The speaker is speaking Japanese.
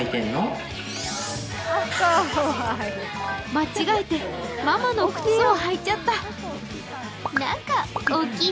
間違えてママの靴を履いちゃった。